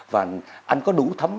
và anh có đủ thấm